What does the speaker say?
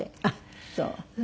あっそう。